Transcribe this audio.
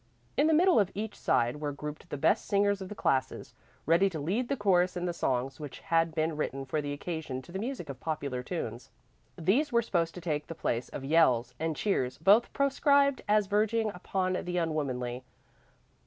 In the middle of each side were grouped the best singers of the classes, ready to lead the chorus in the songs which had been written for the occasion to the music of popular tunes. These were supposed to take the place of "yells," and cheers, both proscribed as verging upon the unwomanly.